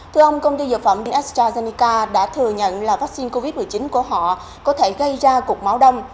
thưa ông công ty dược phẩm astrazeneca đã thừa nhận là vaccine covid một mươi chín của họ có thể gây ra cục máu đông